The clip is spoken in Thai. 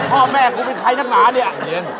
พ่อแม่กูเป็นใครนักหนาเนี่ย